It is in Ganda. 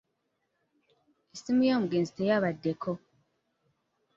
Essimu y'omwogezi teyabaddeko